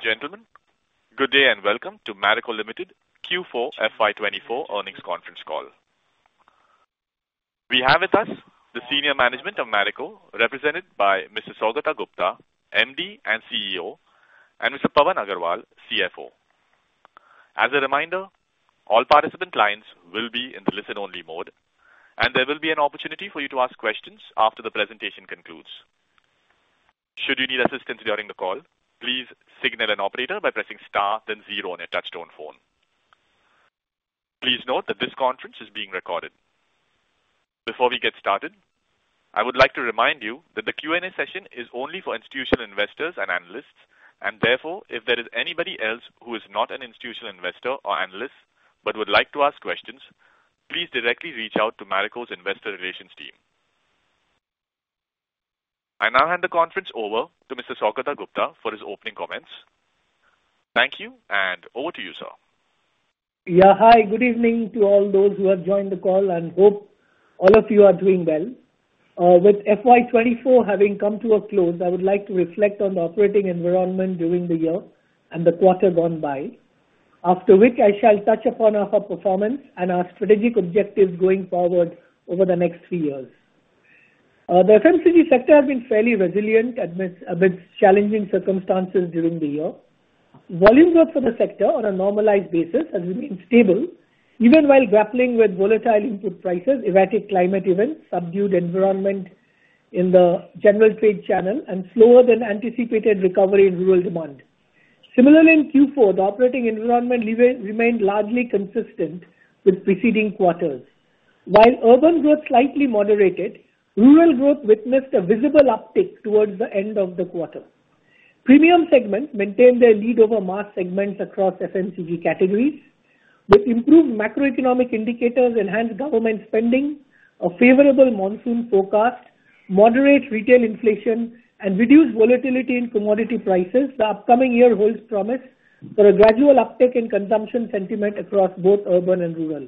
Ladies and gentlemen, good day and welcome to Marico Limited FY 2024 earnings conference call. We have with us the senior management of Marico, represented by Mr. Saugata Gupta, MD and CEO, and Mr. Pawan Agrawal, CFO. As a reminder, all participant lines will be in the listen-only mode, and there will be an opportunity for you to ask questions after the presentation concludes. Should you need assistance during the call, please signal an operator by pressing star then zero on your touchtone phone. Please note that this conference is being recorded. Before we get started, I would like to remind you that the Q&A session is only for institutional investors and analysts, and therefore, if there is anybody else who is not an institutional investor or analyst but would like to ask questions, please directly reach out to Marico's Investor Relations team. I now hand the conference over to Mr. Saugata Gupta for his opening comments. Thank you, and over to you, sir. Yeah. Hi, good evening to all those who have joined the call, and hope all of you are doing well. FY 2024 having come to a close, I would like to reflect on the operating environment during the year and the quarter gone by, after which I shall touch upon our performance and our strategic objectives going forward over the next three years. The FMCG sector has been fairly resilient amidst challenging circumstances during the year. Volumes growth for the sector on a normalized basis has remained stable, even while grappling with volatile input prices, erratic climate events, subdued environment in the general trade channel, and slower than anticipated recovery in rural demand. Similarly, in Q4, the operating environment remained largely consistent with preceding quarters. While urban growth slightly moderated, rural growth witnessed a visible uptick towards the end of the quarter. Premium segments maintained their lead over mass segments across FMCG categories, with improved macroeconomic indicators, enhanced government spending, a favorable monsoon forecast, moderate retail inflation, and reduced volatility in commodity prices. The upcoming year holds promise for a gradual uptick in consumption sentiment across both urban and rural.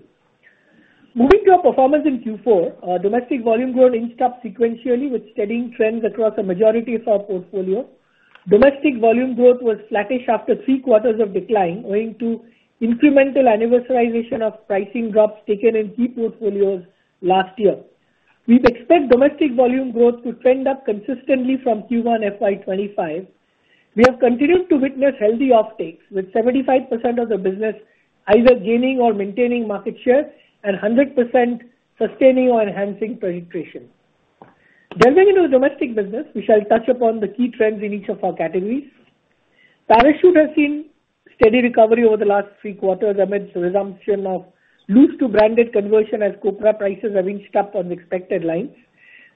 Moving to our performance in Q4, domestic volume growth inched up sequentially, with steadying trends across a majority of our portfolio. Domestic volume growth was flattish after three quarters of decline, owing to incremental anniversarization of pricing drops taken in key portfolios last year. We expect domestic volume growth to trend up consistently from FY 2025. we have continued to witness healthy uptakes, with 75% of the business either gaining or maintaining market share and 100% sustaining or enhancing penetration. Jumping into domestic business, we shall touch upon the key trends in each of our categories. Parachute has seen steady recovery over the last three quarters amidst resumption of loose to branded conversion, as copra prices have inched up on expected lines.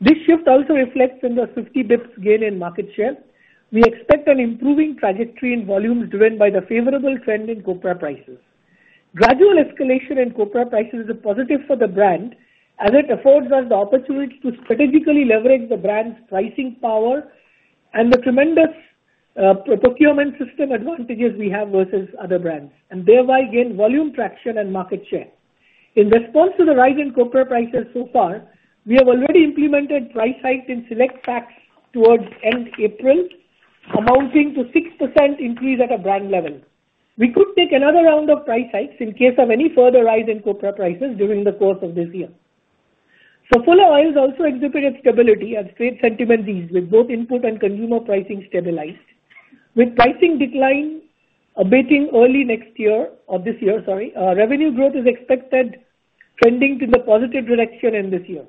This shift also reflects in the 50 basis points gain in market share. We expect an improving trajectory in volumes, driven by the favorable trend in copra prices. Gradual escalation in copra prices is positive for the brand, as it affords us the opportunity to strategically leverage the brand's pricing power and the tremendous procurement system advantages we have versus other brands, and thereby gain volume, traction, and market share. In response to the rise in copra prices so far, we have already implemented price hikes in select packs towards end April, amounting to 6% increase at a brand level. We could take another round of price hikes in case of any further rise in copra prices during the course of this year. Saffola Oil has also exhibited stability as trade sentiment ease, with both input and consumer pricing stabilized. With pricing decline abating early next year or this year, sorry, revenue growth is expected, trending to the positive direction in this year.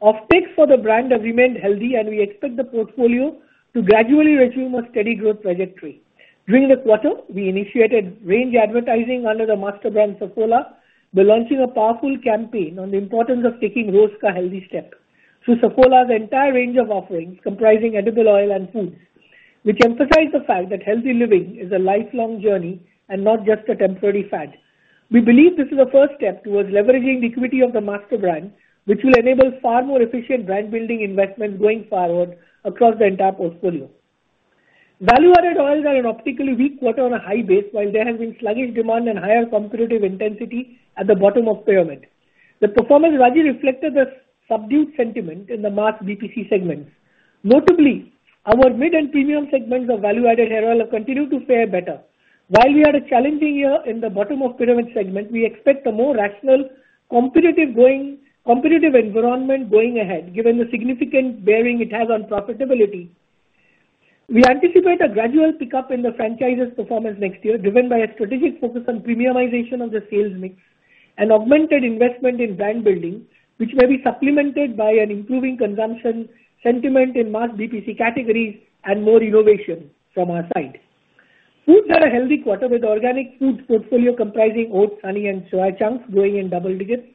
Offtakes for the brand have remained healthy, and we expect the portfolio to gradually resume a steady growth trajectory. During the quarter, we initiated range advertising under the master brand, Saffola. We're launching a powerful campaign on the importance of taking Roz Ka Healthy Step. So Saffola's entire range of offerings, comprising Edible Oils and Foods, which emphasize the fact that healthy living is a lifelong journey and not just a temporary fad. We believe this is a first step towards leveraging the equity of the master brand, which will enable far more efficient brand-building investments going forward across the entire portfolio. Value-added oils had an optically weak quarter on a high base, while there have been sluggish demand and higher competitive intensity at the bottom of pyramid. The performance largely reflected the subdued sentiment in the mass BPC segments. Notably, our mid and premium segments of value-added hair oil have continued to fare better. While we had a challenging year in the bottom of pyramid segment, we expect a more rational competitive environment going ahead, given the significant bearing it has on profitability. We anticipate a gradual pickup in the franchise's performance next year, driven by a strategic focus on premiumization of the sales mix and augmented investment in brand building, which may be supplemented by an improving consumption sentiment in mass BPC categories and more innovation from our side. Foods had a healthy quarter, with Organic Foods portfolio comprising Oats, Honey, and Soya Chunks growing in double digits.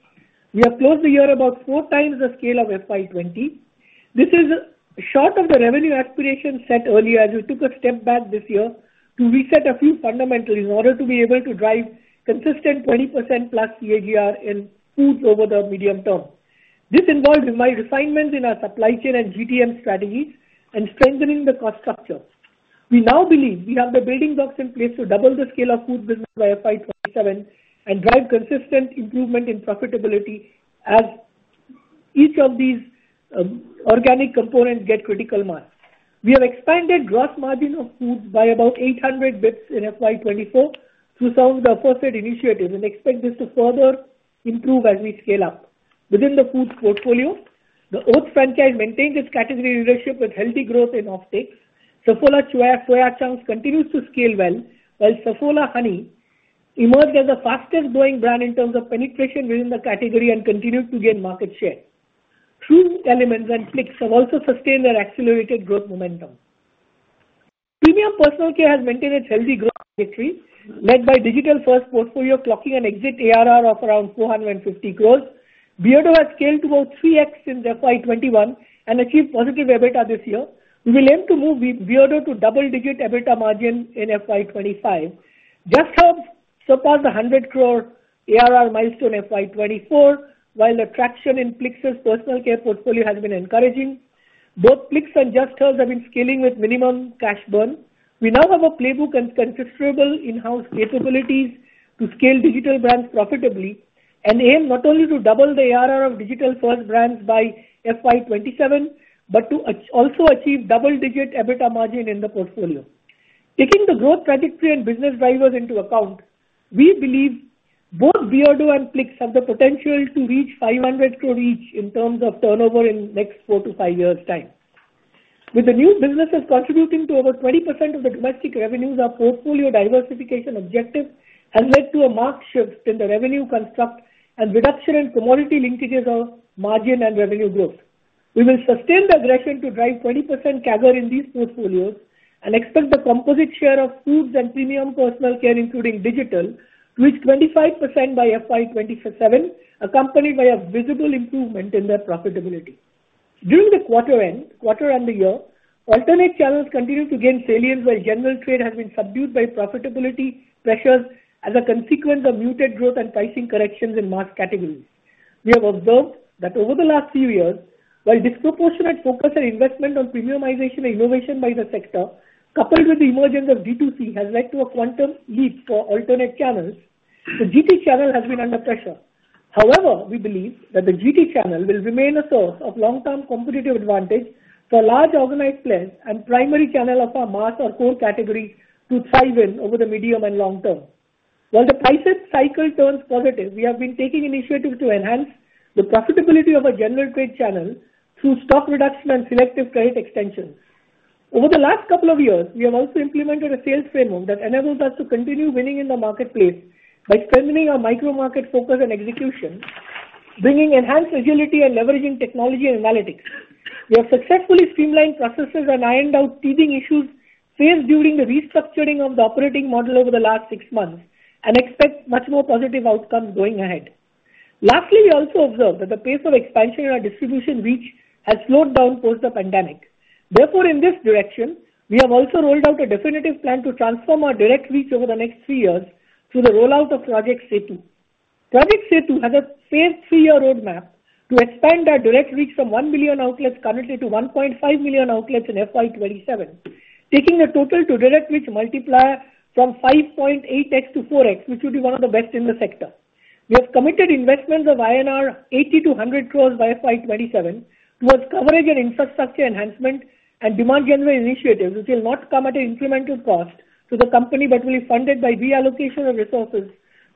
We have closed the year about 4x the scale of FY 2020. This is short of the revenue aspiration set earlier, as we took a step back this year to reset a few fundamentals in order to be able to drive consistent 20%+ CAGR in Foods over the medium term. This involved refined refinements in our supply chain and GTM strategies and strengthening the cost structure. We now believe we have the building blocks in place to double the scale of Foods business by FY 2027 and drive consistent improvement in profitability. Each of these organic components get critical mass. We have expanded gross margin of Foods by about 800 basis points in FY 2024 through some of the aforesaid initiatives, and expect this to further improve as we scale up. Within the Foods portfolio, the Oats franchise maintained its category leadership with healthy growth in offtakes. Saffola Soya Chunks continues to scale well, while Saffola Honey emerged as the fastest growing brand in terms of penetration within the category and continued to gain market share. True Elements and Plix have also sustained their accelerated growth momentum. Premium Personal Care has maintained its healthy growth led by digital-first portfolio, clocking an exit ARR of around 450 crore. Beardo has scaled to about 3x since FY 2021 and achieved positive EBITDA this year. We will aim to move Beardo to double-digit EBITDA margin FY 2025. Just Herbs surpassed 100 crore ARR milestone FY 2024, while the traction in Plix's personal care portfolio has been encouraging. Both Plix and Just Herbs have been scaling with minimum cash burn. We now have a playbook and considerable in-house capabilities to scale digital brands profitably and aim not only to double the ARR of digital-first brands FY 2027, but to also achieve double-digit EBITDA margin in the portfolio. Taking the growth trajectory and business drivers into account, we believe both Beardo and Plix have the potential to reach 500 crore each in terms of turnover in next four to five years' time. With the new businesses contributing to over 20% of the domestic revenues, our portfolio diversification objective has led to a marked shift in the revenue construct and reduction in commodity linkages of margin and revenue growth. We will sustain the aggression to drive 20% CAGR in these portfolios and expect the composite share of Foods and Premium Personal Care, including digital, to reach 25% FY 2027, accompanied by a visible improvement in their profitability. During the quarter end, quarter and the year, alternate channels continued to gain salience while general trade has been subdued by profitability pressures as a consequence of muted growth and pricing corrections in mass categories. We have observed that over the last few years, while disproportionate focus and investment on premiumization and innovation by the sector, coupled with the emergence of D2C, has led to a quantum leap for alternate channels, the GT channel has been under pressure. However, we believe that the GT channel will remain a source of long-term competitive advantage for large organized players and primary channel of our mass or core categories to thrive in over the medium and long term. While the price cycle turns positive, we have been taking initiatives to enhance the profitability of our general trade channel through stock reduction and selective credit extensions. Over the last couple of years, we have also implemented a sales framework that enables us to continue winning in the marketplace by strengthening our micro-market focus and execution, bringing enhanced agility and leveraging technology and analytics. We have successfully streamlined processes and ironed out teething issues faced during the restructuring of the operating model over the last six months, and expect much more positive outcomes going ahead. Lastly, we also observed that the pace of expansion in our distribution reach has slowed down post the pandemic. Therefore, in this direction, we have also rolled out a definitive plan to transform our direct reach over the next three years through the rollout of Project SETU. Project SETU has a phased three-year roadmap to expand our direct reach from 1 million outlets currently to 1.5 million outlets FY 2027, taking the total to direct reach multiplier from 5.8x to 4x, which would be one of the best in the sector. We have committed investments of 80 crore-100 crore INR FY 2027 towards coverage and infrastructure enhancement and demand generation initiatives, which will not come at an incremental cost to the company, but will be funded by reallocation of resources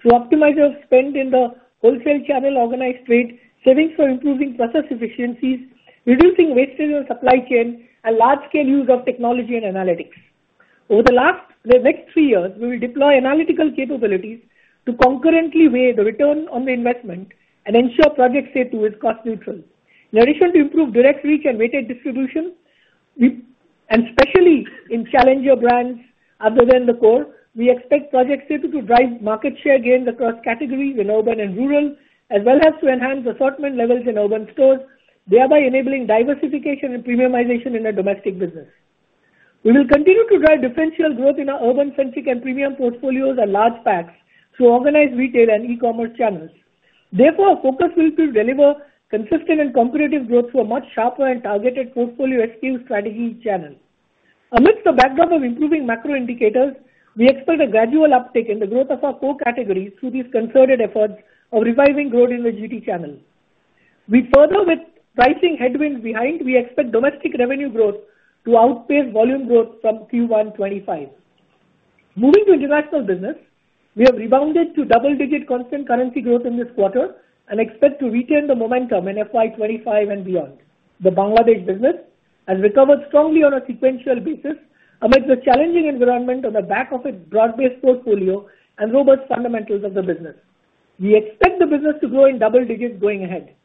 to optimize our spend in the wholesale channel, organized trade, savings for improving process efficiencies, reducing wastage on supply chain, and large-scale use of technology and analytics. Over the next three years, we will deploy analytical capabilities to concurrently weigh the return on the investment and ensure Project SETU is cost neutral. In addition to improved direct reach and weighted distribution, we and especially in challenger brands other than the core, we expect Project SETU to drive market share gains across categories in urban and rural, as well as to enhance assortment levels in urban stores, thereby enabling diversification and premiumization in our domestic business. We will continue to drive differential growth in our urban-centric and premium portfolios and large packs through organized retail and e-commerce channels. Therefore, our focus will be to deliver consistent and competitive growth through a much sharper and targeted portfolio SKU strategy channel. Amidst the backdrop of improving macro indicators, we expect a gradual uptick in the growth of our core categories through these concerted efforts of reviving growth in the GT channel. We further, with pricing headwinds behind, we expect domestic revenue growth to outpace volume growth from Q1 2025. Moving to international business, we have rebounded to double-digit constant currency growth in this quarter and expect to retain the momentum in FY 2025 and beyond. The Bangladesh business has recovered strongly on a sequential basis amid the challenging environment on the back of its broad-based portfolio and robust fundamentals of the business. We expect the business to grow in double digits going ahead.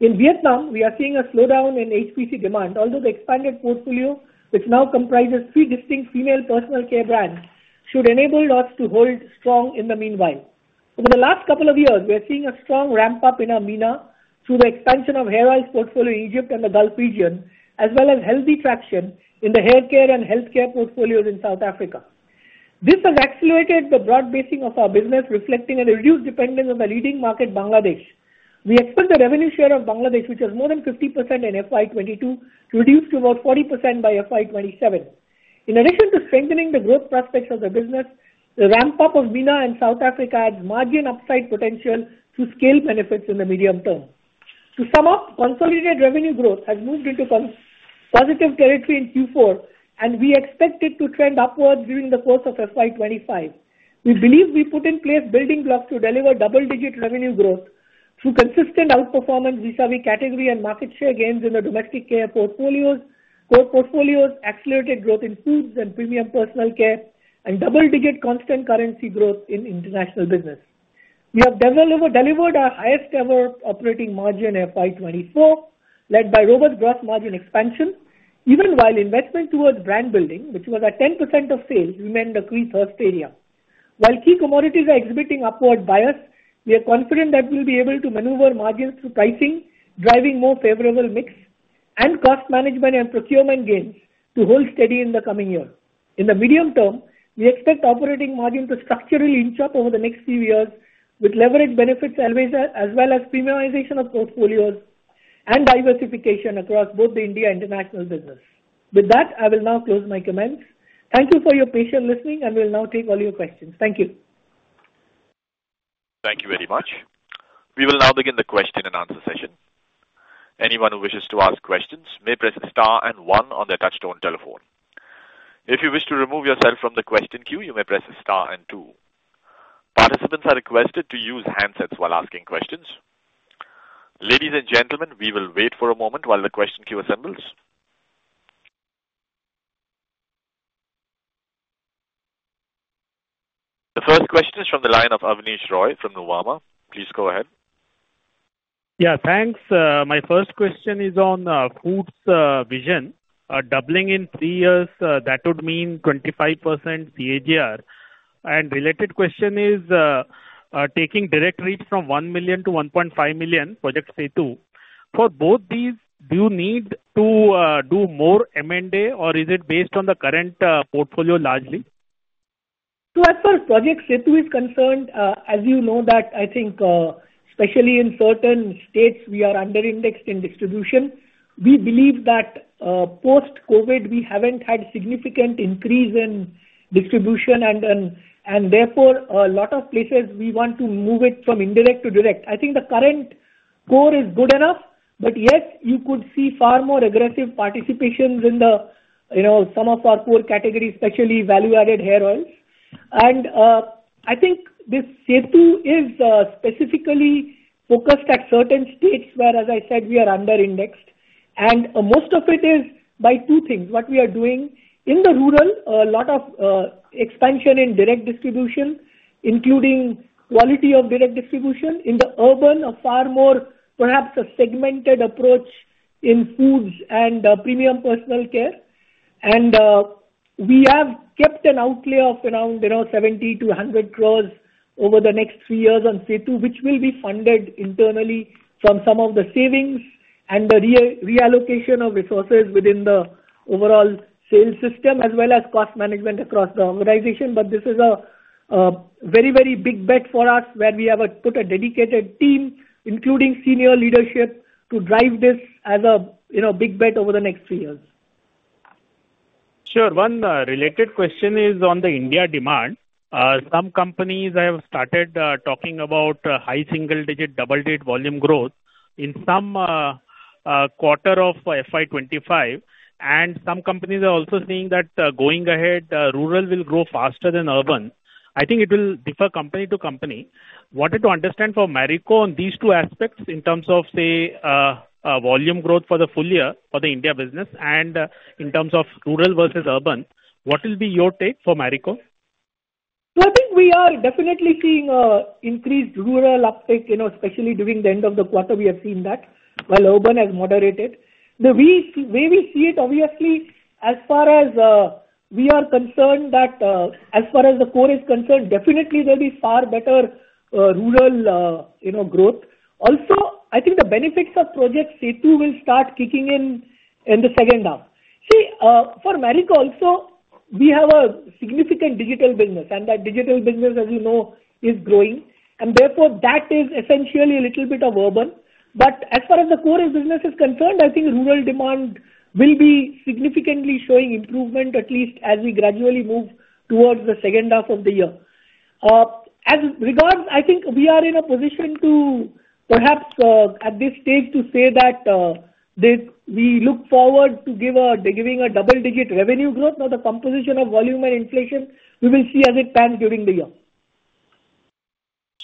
In Vietnam, we are seeing a slowdown in HPC demand, although the expanded portfolio, which now comprises three distinct female personal care brands, should enable us to hold strong in the meanwhile. Over the last couple of years, we are seeing a strong ramp-up in our MENA through the expansion of Hair Oils portfolio in Egypt and the Gulf region, as well as healthy traction in the haircare and healthcare portfolios in South Africa. This has accelerated the broad-basing of our business, reflecting a reduced dependence on the leading market, Bangladesh. We expect the revenue share of Bangladesh, which was more than 50% in FY 2022, to reduce to about 40% by FY 2027. In addition to strengthening the growth prospects of the business, the ramp up of MENA and South Africa adds margin upside potential through scale benefits in the medium term. To sum up, consolidated revenue growth has moved into consistently positive territory in Q4, and we expect it to trend upwards during the course of FY 2025. We believe we put in place building blocks to deliver double-digit revenue growth through consistent outperformance vis-à-vis category and market share gains in the domestic care portfolios, core portfolios, accelerated growth in Foods and Premium Personal Care, and double-digit constant currency growth in international business. We have delivered our highest ever operating margin FY 2024, led by robust gross margin expansion, even while investment towards brand building, which was at 10% of sales, remained a key thrust area. While key commodities are exhibiting upward bias, we are confident that we'll be able to maneuver margins through pricing, driving more favorable mix and cost management and procurement gains to hold steady in the coming year. In the medium term, we expect operating margin to structurally inch up over the next few years, with leverage benefits elevating as well as premiumization of portfolios and diversification across both the India international business. With that, I will now close my comments. Thank you for your patient listening, and we'll now take all your questions. Thank you. Thank you very much. We will now begin the question and answer session. Anyone who wishes to ask questions may press star and one on their touchtone telephone. If you wish to remove yourself from the question queue, you may press star and two. Participants are requested to use handsets while asking questions. Ladies and gentlemen, we will wait for a moment while the question queue assembles. The first question is from the line of Abneesh Roy from Nuvama Institutional Equities. Please go ahead. Yeah, thanks. My first question is on Foods vision. Doubling in three years, that would mean 25% CAGR. And related question is, taking direct reach from 1 million to 1.5 million, Project SETU. For both these, do you need to do more M&A, or is it based on the current portfolio largely? So as far as Project SETU is concerned, as you know that I think, especially in certain states, we are under-indexed in distribution. We believe that, post-COVID, we haven't had significant increase in distribution, and, and therefore, a lot of places we want to move it from indirect to direct. I think the current core is good enough, but yet you could see far more aggressive participations in the, you know, some of our core categories, especially value-added hair oils. And, I think this SETU is, specifically focused at certain states where, as I said, we are under-indexed. And most of it is by two things: What we are doing in the rural, a lot of, expansion in direct distribution, including quality of direct distribution. In the urban, a far more perhaps a segmented approach in Foods and, Premium Personal Care. We have kept an outlay of around, you know, 70 crore-100 crore over the next three years on SETU, which will be funded internally from some of the savings and the reallocation of resources within the overall sales system, as well as cost management across the organization. But this is a very, very big bet for us, where we have put a dedicated team, including senior leadership, to drive this as a, you know, big bet over the next three years. Sure. One related question is on the India demand. Some companies have started talking about high single-digit, double-digit volume growth in some quarter FY 2025, and some companies are also saying that going ahead rural will grow faster than urban. I think it will differ company to company. Wanted to understand for Marico on these two aspects in terms of, say, volume growth for the full year for the India business and in terms of rural versus urban, what will be your take for Marico? So I think we are definitely seeing increased rural uptake, you know, especially during the end of the quarter, we have seen that, while urban has moderated. The way we see it, obviously, as far as we are concerned that, as far as the core is concerned, definitely there'll be far better rural, you know, growth. Also, I think the benefits of Project SETU will start kicking in, in the second half. See, for Marico also, we have a significant digital business, and that digital business, as you know, is growing, and therefore that is essentially a little bit of urban. But as far as the core of business is concerned, I think rural demand will be significantly showing improvement, at least as we gradually move towards the second half of the year. As regards, I think we are in a position to perhaps, at this stage, to say that we look forward to give a, giving a double-digit revenue growth. Now, the composition of volume and inflation, we will see as it pans during the year.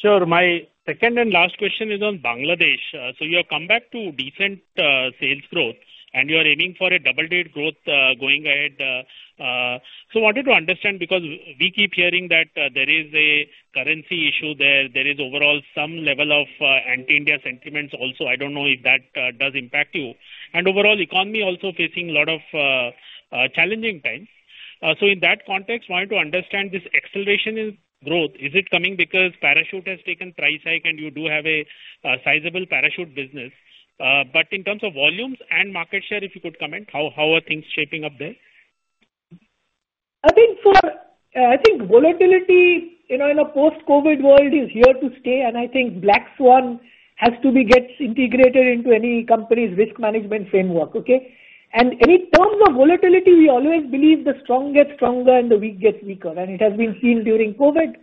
Sure. My second and last question is on Bangladesh. So you have come back to decent sales growth, and you are aiming for a double-digit growth going ahead. So wanted to understand, because we keep hearing that there is a currency issue there. There is overall some level of anti-India sentiments also. I don't know if that does impact you. And overall economy also facing a lot of challenging times. So in that context, wanted to understand this acceleration in growth, is it coming because Parachute has taken price hike and you do have a sizable Parachute business? But in terms of volumes and market share, if you could comment, how are things shaping up there? I think volatility, you know, in a post-COVID world, is here to stay, and I think black swan events have to be, get integrated into any company's risk management framework, okay? And in terms of volatility, we always believe the strong get stronger and the weak get weaker, and it has been seen during COVID,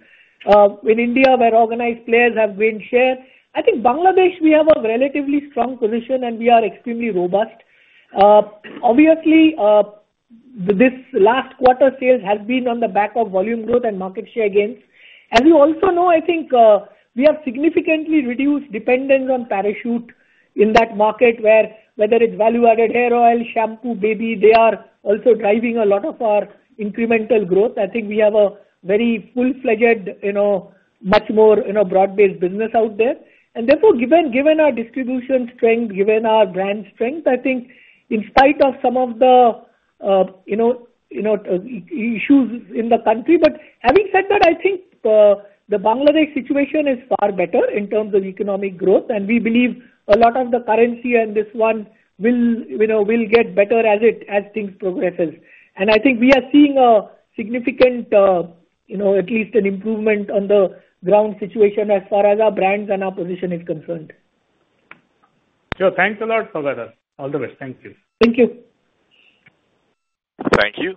in India, where organized players have gained share. I think Bangladesh, we have a relatively strong position, and we are extremely robust. Obviously, this last quarter sales has been on the back of volume growth and market share gains. As you also know, I think, we have significantly reduced dependence on Parachute in that market, where whether it's value-added hair oil, shampoo, baby, they are also driving a lot of our incremental growth. I think we have a very full-fledged, you know, much more, you know, broad-based business out there. And therefore, given our distribution strength, given our brand strength, I think in spite of some of the, you know, you know, issues in the country. But having said that, I think the Bangladesh situation is far better in terms of economic growth, and we believe a lot of the currency and this one will, you know, get better as things progresses. And I think we are seeing a significant, you know, at least an improvement on the ground situation as far as our brands and our position is concerned. Sure. Thanks a lot, Saugata. All the best. Thank you. Thank you. Thank you.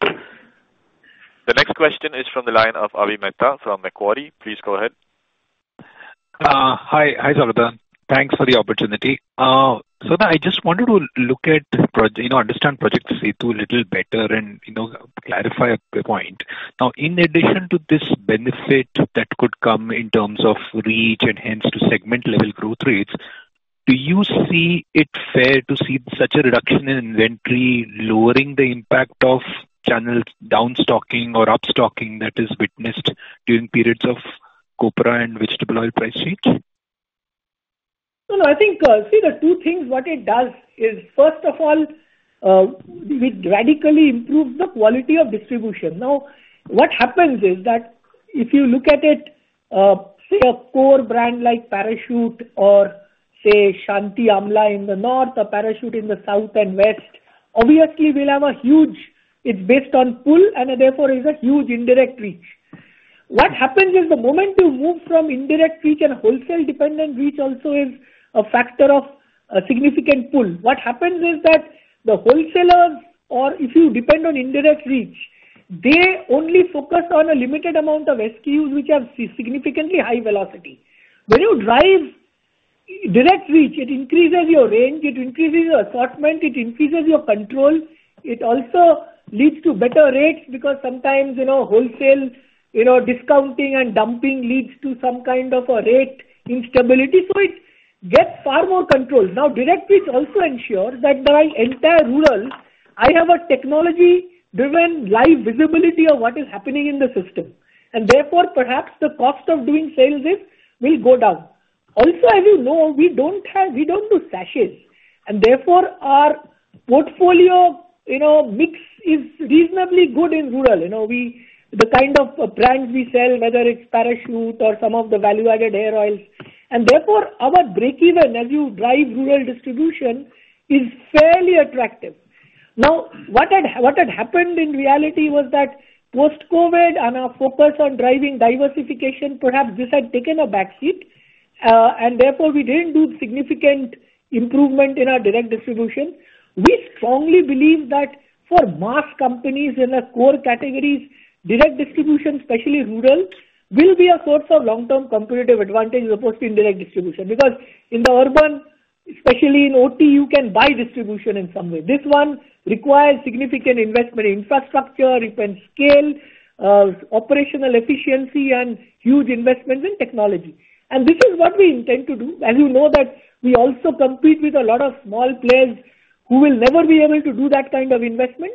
The next question is from the line of Avi Mehta from Macquarie. Please go ahead. Hi, Saugata. Thanks for the opportunity. Saugata, I just wanted to look at, you know, understand Project SETU a little better and, you know, clarify a point. Now, in addition to this benefit that could come in terms of reach and hence to segment-level growth rates, do you see it fair to see such a reduction in inventory lowering the impact of channel downstocking or upstocking that is witnessed during periods of copra and vegetable oil price change? Well, I think, see, the two things, what it does is, first of all, it radically improves the quality of distribution. Now, what happens is that, if you look at it, say a core brand like Parachute or say Shanti Amla in the north or Parachute in the south and west, obviously will have a huge—it's based on pull, and therefore is a huge indirect reach. What happens is the moment you move from indirect reach, and wholesale-dependent reach also is a factor of a significant pull, what happens is that the wholesalers, or if you depend on indirect reach, they only focus on a limited amount of SKUs, which have significantly high velocity. When you drive direct reach, it increases your range, it increases your assortment, it increases your control. It also leads to better rates, because sometimes, you know, wholesale, you know, discounting and dumping leads to some kind of a rate instability. So it gets far more control. Now, direct reach also ensures that while entire rural, I have a technology-driven, live visibility of what is happening in the system, and therefore, perhaps the cost of doing sales this will go down. Also, as you know, we don't have, we don't do sachets, and therefore, our portfolio, you know, mix is reasonably good in rural. You know, we, the kind of brands we sell, whether it's Parachute or some of the value-added hair oils, and therefore, our break even as you drive rural distribution, is fairly attractive. Now, what had happened in reality was that post-COVID and our focus on driving diversification, perhaps this had taken a backseat, and therefore we didn't do significant improvement in our direct distribution. We strongly believe that for mass companies in the core categories, direct distribution, especially rural, will be a source of long-term competitive advantage as opposed to indirect distribution. Because in the urban, especially in OT, you can buy distribution in some way. This one requires significant investment in infrastructure, it requires scale, operational efficiency, and huge investments in technology. And this is what we intend to do. As you know that we also compete with a lot of small players who will never be able to do that kind of investment.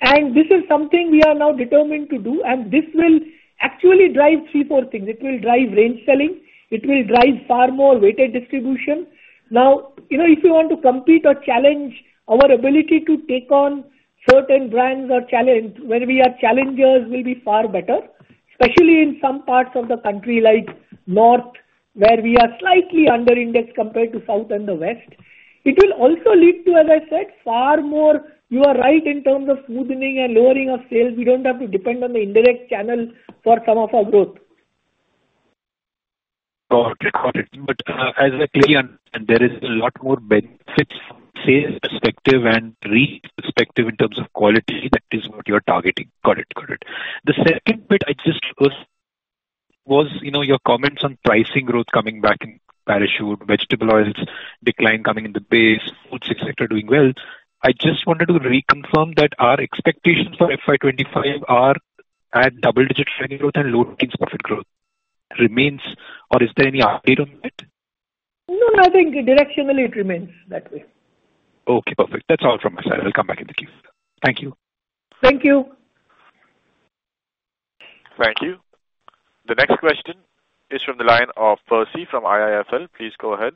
And this is something we are now determined to do, and this will actually drive three, four things. It will drive range selling, it will drive far more weighted distribution. Now, you know, if you want to compete or challenge our ability to take on certain brands or challenge, where we are challengers, we'll be far better, especially in some parts of the country, like north, where we are slightly under indexed compared to south and the west. It will also lead to, as I said, far more, you are right, in terms of smoothing and lowering of sales. We don't have to depend on the indirect channel for some of our growth. Got it. Got it. But as I clear, and there is a lot more benefits from sales perspective and reach perspective in terms of quality, that is what you're targeting. Got it. Got it. The second bit, I just was, you know, your comments on pricing growth coming back in Parachute, vegetable oils decline coming in the base, Foods sector doing well. I just wanted to reconfirm that our expectations FY 2025 are at double-digit revenue growth and low teens profit growth remains, or is there any update on that? No, I think directionally it remains that way. Okay, perfect. That's all from my side. I'll come back in the queue. Thank you. Thank you. Thank you. The next question is from the line of Percy from IIFL. Please go ahead.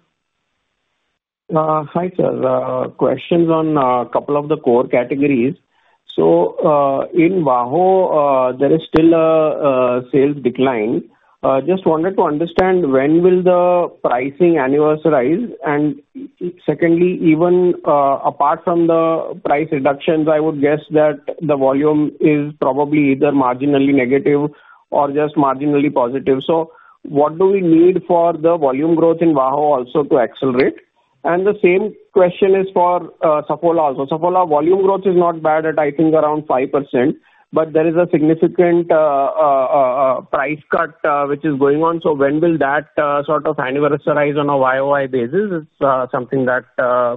Hi, sir. Questions on a couple of the core categories. So, in VAHO there is still a sales decline. Just wanted to understand, when will the pricing annualize? And secondly, even apart from the price reductions, I would guess that the volume is probably either marginally negative or just marginally positive. So what do we need for the volume growth in VAHO also to accelerate? And the same question is for Saffola also. Saffola volume growth is not bad at, I think, around 5%, but there is a significant price cut which is going on, so when will that sort of anniversarize on a YOY basis is something that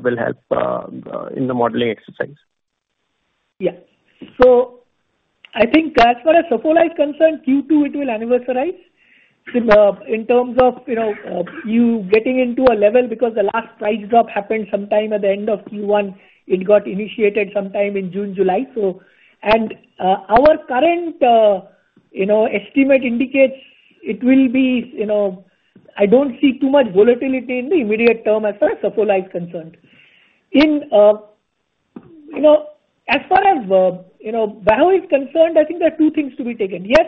will help in the modeling exercise? Yeah. So I think as far as Saffola is concerned, Q2, it will anniversarize. In, in terms of, you know, you getting into a level because the last price drop happened sometime at the end of Q1, it got initiated sometime in June, July. So, and, our current, you know, estimate indicates it will be, you know, I don't see too much volatility in the immediate term as far as Saffola is concerned. In, you know, as far as, you know, VAHO is concerned, I think there are two things to be taken. Yes,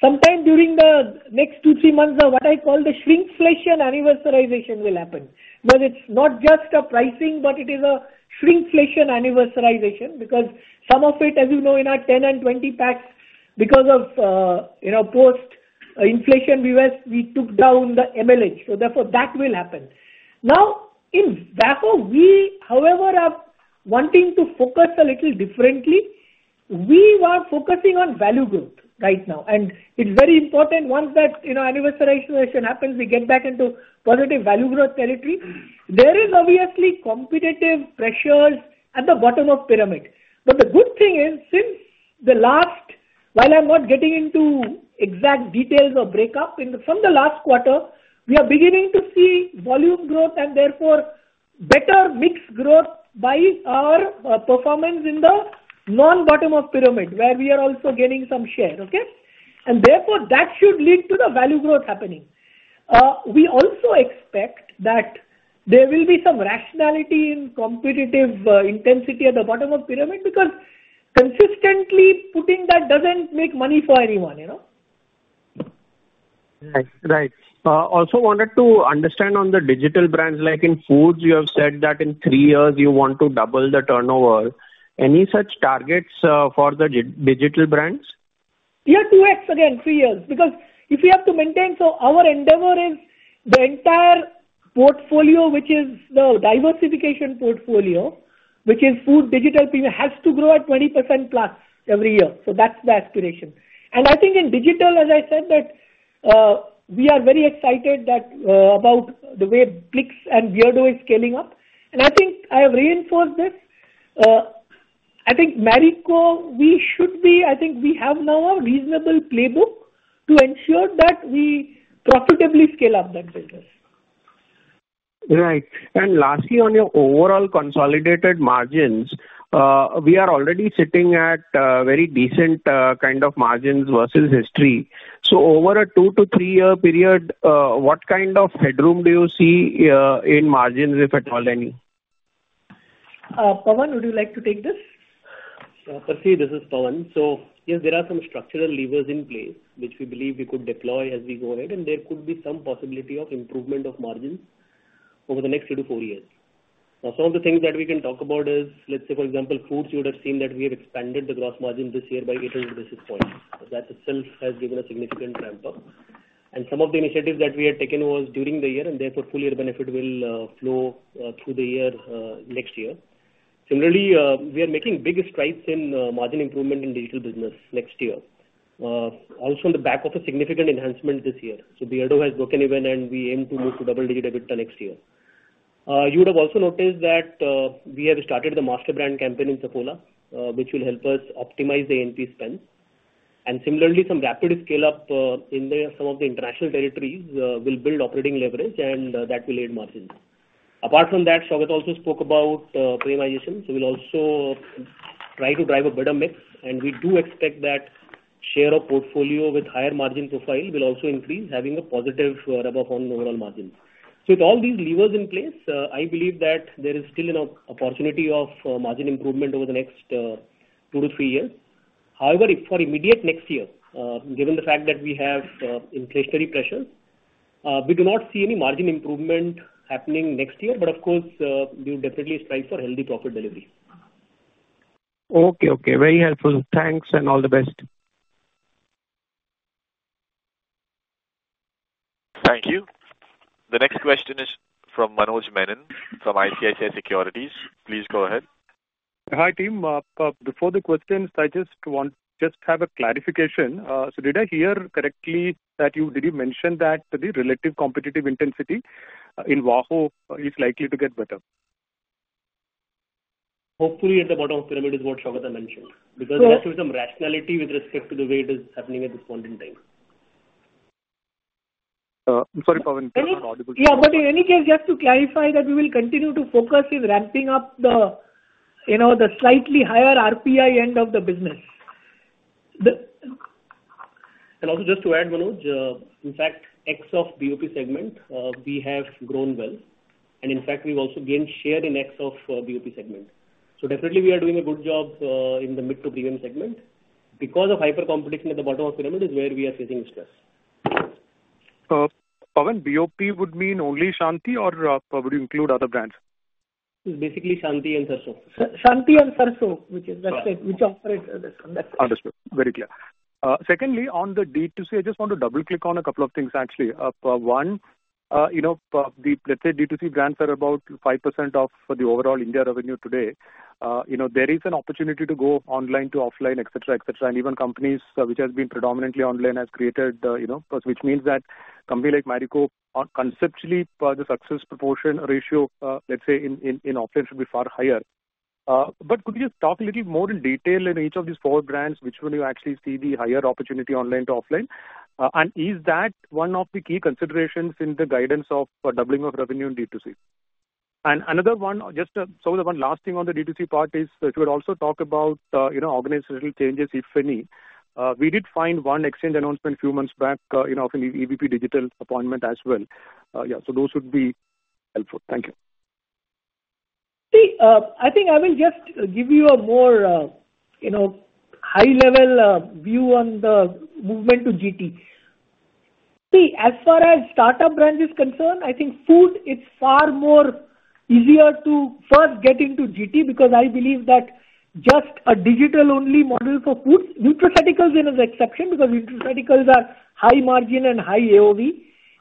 sometime during the next two, three months are what I call the shrinkflation anniversarization will happen. When it's not just a pricing, but it is a shrinkflation anniversarization, because some of it, as you know, in our 10 and 20 packs, because of, you know, post inflation, we were, we took down the millilitrage, so therefore that will happen. Now, in VAHO, we, however, are wanting to focus a little differently. We are focusing on value growth right now, and it's very important once that, you know, anniversarization happens, we get back into positive value growth territory. There is obviously competitive pressures at the bottom of pyramid. But the good thing is, since the last, while I'm not getting into exact details or breakup, in, from the last quarter, we are beginning to see volume growth and therefore better mix growth by our, performance in the non-bottom of pyramid, where we are also gaining some share. Okay? And therefore, that should lead to the value growth happening. We also expect that there will be some rationality in competitive intensity at the bottom of pyramid, because consistently putting that doesn't make money for anyone, you know? Right. Right. Also wanted to understand on the digital brands, like in Foods, you have said that in three years you want to double the turnover. Any such targets for the digital brands? Yeah, 2x again, three years, because if we have to maintain, so our endeavor is the entire portfolio, which is the diversification portfolio, which is Foods digital, has to grow at 20%+ every year. So that's the aspiration. And I think in digital, as I said, that, we are very excited that, about the way Plix and Beardo is scaling up. And I think I have reinforced this, I think Marico, we should be, I think we have now a reasonable playbook to ensure that we profitably scale up that business. Right. And lastly, on your overall consolidated margins, we are already sitting at, very decent, kind of margins versus history. So over a two to three-year period, what kind of headroom do you see, in margins, if at all, any? Pawan, would you like to take this? Percy, this is Pawan. So yes, there are some structural levers in place, which we believe we could deploy as we go ahead, and there could be some possibility of improvement of margins over the next two to four years. Now, some of the things that we can talk about is, let's say, for example, Foods, you would have seen that we have expanded the gross margin this year by 800 basis points. So that itself has given a significant ramp up. And some of the initiatives that we have taken was during the year, and therefore full year benefit will flow through the year next year. Similarly, we are making big strides in margin improvement in digital business next year. Also on the back of a significant enhancement this year. So Beardo has broken even, and we aim to move to double digit EBITDA next year. You would have also noticed that we have started the master brand campaign in Saffola, which will help us optimize the A&P spend. And similarly, some rapid scale up in some of the international territories will build operating leverage, and that will aid margins. Apart from that, Saugata also spoke about premiumization, so we'll also try to drive a better mix, and we do expect that share of portfolio with higher margin profile will also increase, having a positive rub off on the overall margins. So with all these levers in place, I believe that there is still an opportunity of margin improvement over the next two to three years. However, if for immediate next year, given the fact that we have inflationary pressures, we do not see any margin improvement happening next year, but of course, we will definitely strive for healthy profit delivery. Okay, okay. Very helpful. Thanks, and all the best. Thank you. The next question is from Manoj Menon, from ICICI Securities. Please go ahead. Hi, team. Before the questions, I just want, just have a clarification. So did I hear correctly that you, did you mention that the relative competitive intensity in VAHO is likely to get better? Hopefully, at the bottom of the pyramid is what Saugata mentioned, because there has to be some rationality with respect to the way it is happening at this point in time. Sorry, Pawan. Yeah, but in any case, just to clarify that we will continue to focus in ramping up the, you know, the slightly higher RPI end of the business. The- And also just to add, Manoj, in fact, ex of BOP segment, we have grown well, and in fact, we've also gained share in ex of BOP segment. So definitely we are doing a good job in the mid to premium segment. Because of hyper competition at the bottom of pyramid is where we are facing stress. Pawan, BOP would mean only Shanti or, would you include other brands? Basically, Shanti and Sarson. Shanti and Sarson, which is, that's it, which operate. Understood. Very clear. Secondly, on the D2C, I just want to double-click on a couple of things, actually. One, you know, let's say D2C brands are about 5% of the overall India revenue today. You know, there is an opportunity to go online to offline, et cetera, et cetera, and even companies, which has been predominantly online, has created, you know, Plix, which means that company like Marico are conceptually for the success proportion ratio, let's say in offline should be far higher. But could you talk a little more in detail in each of these four brands, which one you actually see the higher opportunity online to offline? And is that one of the key considerations in the guidance of doubling of revenue in D2C? Another one, just, Saugata, one last thing on the D2C part is, if you would also talk about, you know, organizational changes, if any. Yeah, so those would be helpful. Thank you. See, I think I will just give you a more, you know, high-level view on the movement to GT. See, as far as startup brands is concerned, I think Food is far more easier to first get into GT, because I believe that just a digital-only model for Foods, nutraceuticals is an exception, because nutraceuticals are high margin and high AOV.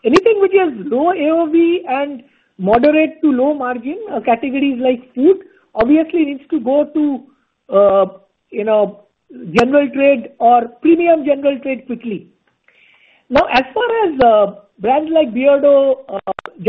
Anything which has low AOV and moderate to low margin, categories like Food, obviously needs to go to, you know, general trade or premium general trade quickly. Now, as far as brands like Beardo,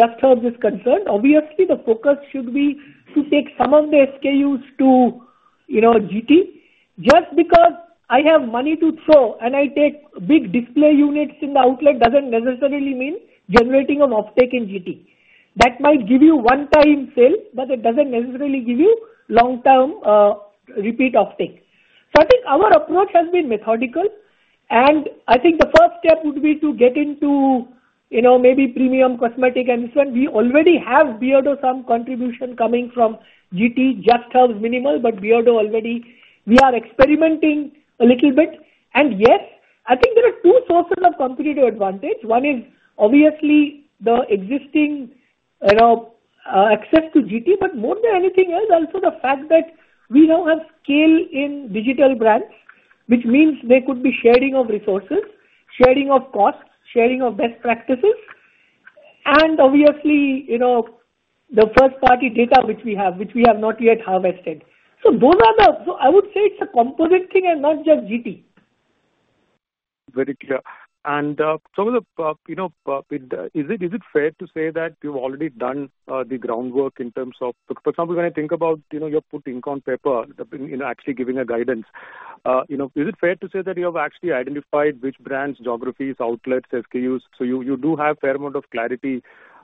Just Herbs is concerned, obviously the focus should be to take some of the SKUs to, you know, GT. Just because I have money to throw and I take big display units in the outlet, doesn't necessarily mean generating an offtake in GT. That might give you one-time sale, but it doesn't necessarily give you long-term repeat offtake. So I think our approach has been methodical, and I think the first step would be to get into, you know, maybe premium cosmetic and this one. We already have Beardo some contribution coming from GT, Just Herbs minimal, but Beardo already we are experimenting a little bit. And yes, I think there are two sources of competitive advantage. One is obviously the existing, you know, access to GT, but more than anything else, also the fact that we now have scale in digital brands, which means there could be sharing of resources, sharing of costs, sharing of best practices, and obviously, you know, the first-party data which we have, which we have not yet harvested. So those are the. So I would say it's a composite thing and not just GT. Very clear. Is it fair to say that you've already done the groundwork in terms of... For example, when I think about, you know, you have put ink on paper, you know, actually giving a guidance, you know, is it fair to say that you have actually identified which brands, geographies, outlets, SKUs, so you do have fair amount of clarity,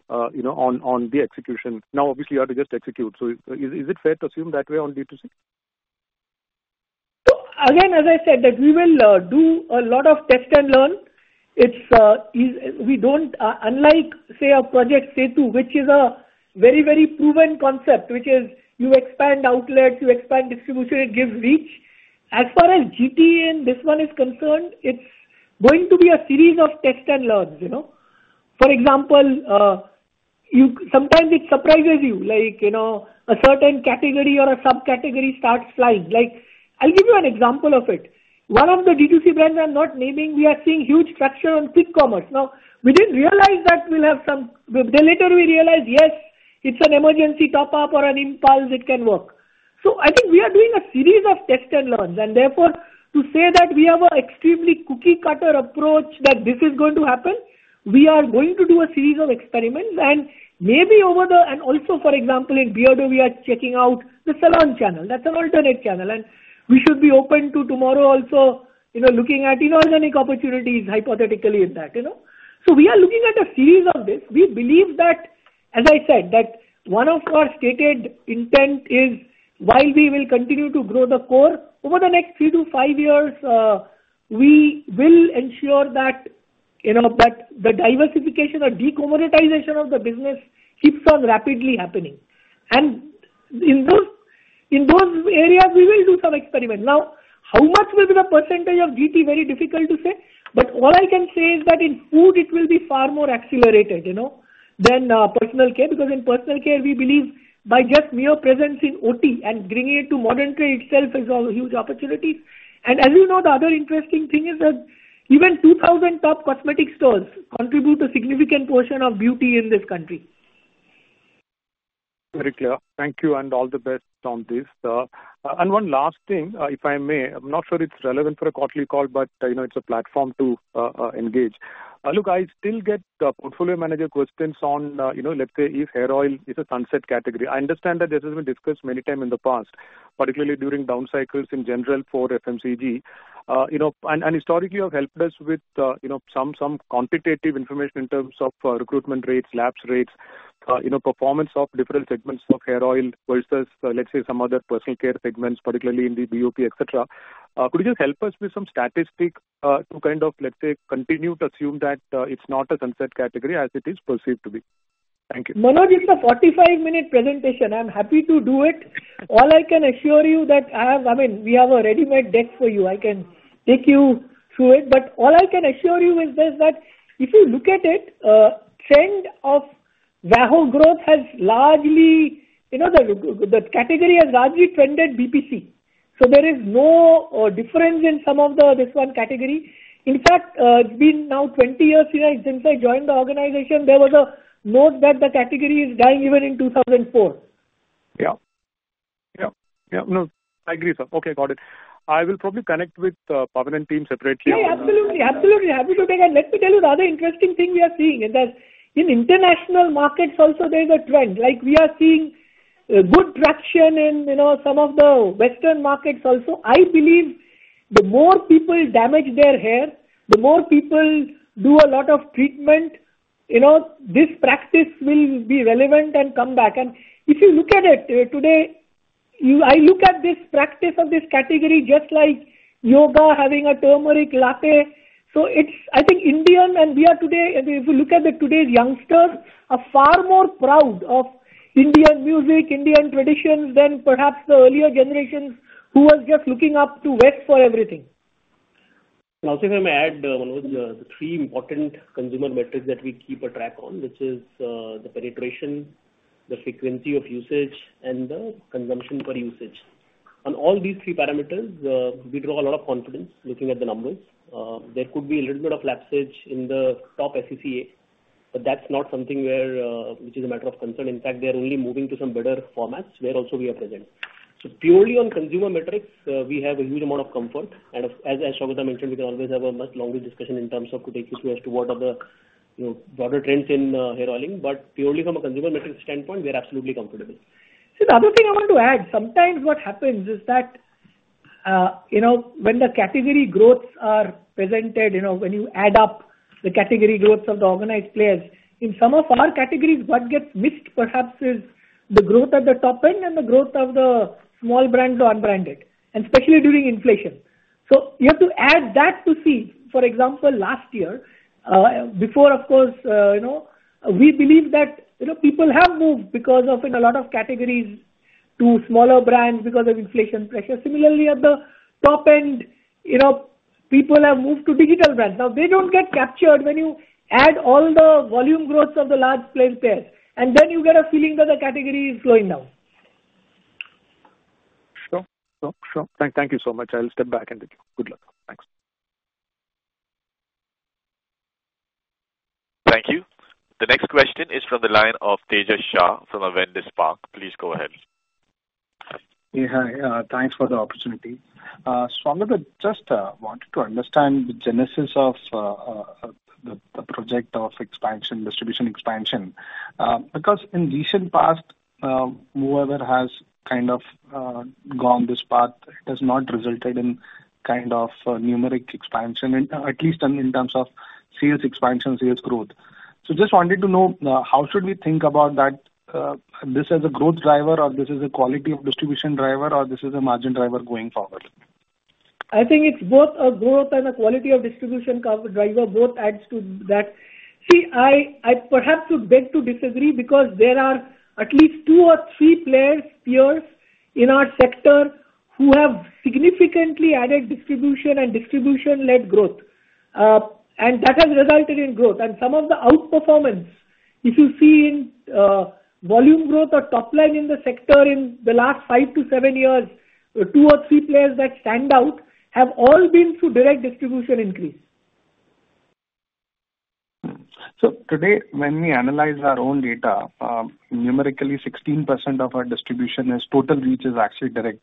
you know, on the execution? Now, obviously, you have to just execute. So is it fair to assume that way on D2C? So again, as I said, that we will do a lot of test and learn. It's we don't, unlike, say, a Project SETU, which is a very, very proven concept, which is you expand outlets, you expand distribution, it gives reach. As far as GT and this one is concerned, it's going to be a series of test and learns, you know? For example, sometimes it surprises you, like, you know, a certain category or a subcategory starts flying. Like, I'll give you an example of it. One of the D2C brands I'm not naming, we are seeing huge traction on quick commerce. Now, we didn't realize that we'll have some... But then later we realized, yes, it's an emergency top-up or an impulse, it can work. So I think we are doing a series of test and learns, and therefore, to say that we have a extremely cookie-cutter approach, that this is going to happen, we are going to do a series of experiments and maybe over the. And also, for example, in Beardo, we are checking out the salon channel. That's an alternate channel, and we should be open to tomorrow also, you know, looking at inorganic opportunities hypothetically in that, you know. So we are looking at a series of this. We believe that, as I said, that one of our stated intent is while we will continue to grow the core, over the next three to five years, we will ensure that, you know, that the diversification or decommoditization of the business keeps on rapidly happening. And in those, in those areas, we will do some experiment. Now, how much will be the percentage of GT? Very difficult to say, but all I can say is that in Food, it will be far more accelerated, you know, than personal care. Because in personal care, we believe by just mere presence in OT and bringing it to modern trade itself is a huge opportunity. And as you know, the other interesting thing is that even 2,000 top cosmetic stores contribute a significant portion of beauty in this country. Very clear. Thank you, and all the best on this. And one last thing, if I may. I'm not sure it's relevant for a quarterly call, but, you know, it's a platform to engage. Look, I still get portfolio manager questions on, you know, let's say, if hair oil is a sunset category. I understand that this has been discussed many times in the past, particularly during down cycles in general for FMCG. You know, and historically, you have helped us with, you know, some quantitative information in terms of recruitment rates, lapse rates, you know, performance of different segments of hair oil versus, let's say, some other personal care segments, particularly in the BOP, et cetera. Could you just help us with some statistics to kind of, let's say, continue to assume that it's not a sunset category as it is perceived to be? Thank you. Manoj, it's a 45-minute presentation. I'm happy to do it. All I can assure you that I have, I mean, we have a readymade deck for you. I can take you through it. But all I can assure you is this, that if you look at it, trend of VAHO growth has largely, you know, the category has largely trended BPC. So there is no difference in some of the, this one category. In fact, it's been now 20 years, you know, since I joined the organization, there was a note that the category is dying even in 2004. Yeah. Yeah, yeah. No, I agree. Okay, got it. I will probably connect with Pawan and team separately. Yeah, absolutely, absolutely happy to take. And let me tell you the other interesting thing we are seeing, and that in international markets also there is a trend, like, we are seeing good traction in, you know, some of the Western markets also. I believe the more people damage their hair, the more people do a lot of treatment, you know, this practice will be relevant and come back. And if you look at it, today, you—I look at this practice of this category just like yoga, having a turmeric latte. So it's, I think, Indian, and we are today, and if you look at the today's youngsters, are far more proud of Indian music, Indian traditions, than perhaps the earlier generations who were just looking up to West for everything. Also, if I may add, Manoj, the three important consumer metrics that we keep a track on, which is, the penetration, the frequency of usage, and the consumption per usage. On all these three parameters, we draw a lot of confidence looking at the numbers. There could be a little bit of sluggishness in the top SEC A, but that's not something where, which is a matter of concern. In fact, they're only moving to some better formats, where also we are present. So purely on consumer metrics, we have a huge amount of comfort. And as, as Saugata mentioned, we can always have a much longer discussion in terms of to take you through as to what are the, you know, broader trends in, hair oiling. But purely from a consumer metrics standpoint, we are absolutely comfortable. See, the other thing I want to add, sometimes what happens is that, you know, when the category growths are presented, you know, when you add up the category growths of the organized players, in some of our categories, what gets missed perhaps is the growth at the top end and the growth of the small brand or unbranded, and especially during inflation. So you have to add that to see. For example, last year, before, of course, you know, we believe that, you know, people have moved because of in a lot of categories to smaller brands because of inflation pressure. Similarly, at the top end, you know, people have moved to digital brands. Now, they don't get captured when you add all the volume growths of the large player pairs, and then you get a feeling that the category is slowing down. Sure, sure, sure. Thank you so much. I'll step back and thank you. Good luck. Thanks. Thank you. The next question is from the line of Tejas Shah from Avendus Spark. Please go ahead. Yeah, hi, thanks for the opportunity. Saugata, just wanted to understand the genesis of the project of expansion, distribution expansion. Because in recent past, whoever has kind of gone this path, it has not resulted in kind of numeric expansion, at least in terms of sales expansion, sales growth. So just wanted to know how should we think about that, this as a growth driver, or this is a quality of distribution driver, or this is a margin driver going forward? I think it's both a growth and a quality of distribution cover driver, both adds to that. See, I perhaps would beg to disagree, because there are at least two or three players, peers in our sector, who have significantly added distribution and distribution-led growth. That has resulted in growth. Some of the outperformance, if you see in, volume growth or top line in the sector in the last five to seven years, two or three players that stand out, have all been through direct distribution increase. Hmm. So today, when we analyze our own data, numerically 16% of our distribution is total reach is actually direct.